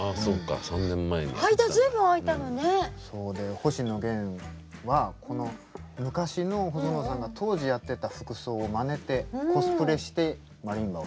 星野源はこの昔の細野さんが当時やってた服装をまねてコスプレしてマリンバを。